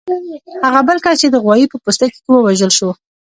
هغه بل کس چې د غوايي په پوستکي کې و وژغورل شو.